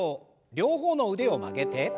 両方の腕を曲げて。